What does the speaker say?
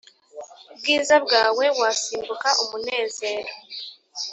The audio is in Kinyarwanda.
bwiza bwawe wasimbuka umunezero!